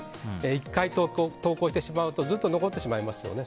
１回投稿してしまうとずっと残ってしまいますよね。